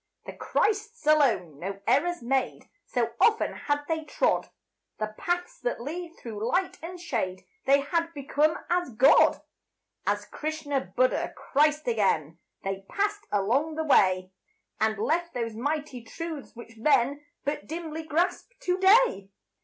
The Christs alone no errors made; So often had they trod The paths that lead through light and shade, They had become as God. As Krishna, Buddha, Christ again, They passed along the way, And left those mighty truths which men But dimly grasp to day.